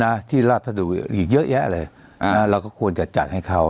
นะที่ลาดพันธุลีออกอีกเยอะแยะเลยนะนะเราก็ควรจะจัดให้เขา